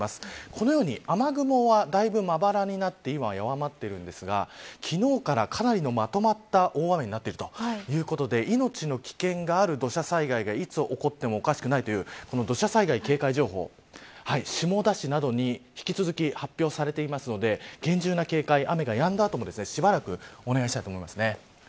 このように雨雲はだいぶまばらになって今は弱まっているんですが昨日から、かなりのまとまった大雨になってきているということで命の危険がある土砂災害がいつ起こってもおかしくないという土砂災害警戒情報下田市などに引き続き発表されていますので厳重な警戒、雨がやんだ後もしばらくお願いしたいと思います。